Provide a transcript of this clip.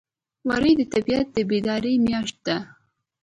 وری د طبیعت د بیدارۍ میاشت ده.